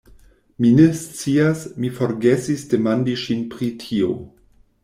Mi ne scias, mi forgesis demandi ŝin pri tio.